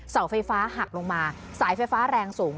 เสาไฟฟ้าหักลงมาสายไฟฟ้าแรงสูง